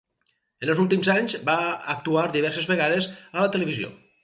En els seus últims anys va actuar diverses vegades a la televisió.